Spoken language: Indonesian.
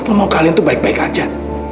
papa mau kalian tuh baik baik aja